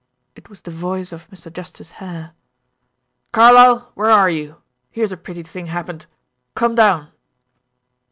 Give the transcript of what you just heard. It was the voice of Mr. Justice Hare. "Carlyle, where are you? Here's a pretty thing happened! Come down!"